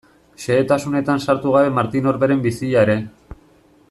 Xehetasunetan sartu gabe Martin Orberen bizia ere.